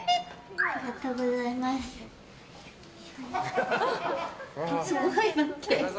ありがとうございます。